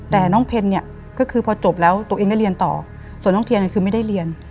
แต่น้องเพนเนี่ยก็คือพอจบแล้วตัวเองได้เรียนต่อส่วนน้องเทียนเนี่ยคือไม่ได้เรียน